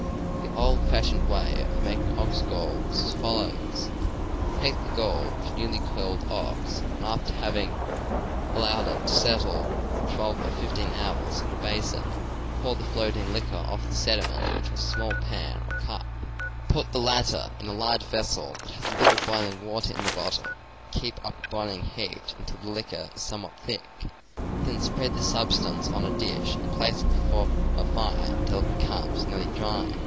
The old fashioned way of making ox gall was as follows : take the gall of a newly killed ox and after having allowed it to settle twelve or fifteen hours in a basin, pour the floating liquor off the sediment into a small pan or cup, put the latter in a larger vessel that has a little boiling water in the bottom, and keep up a boiling heat until the liquor is somewhat thick; then spread this substance on a dish and place it before a fire till it becomes nearly dry.